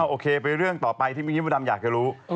โอเคไปเรื่องต่อไปที่มีฮิมดำอยากจะรู้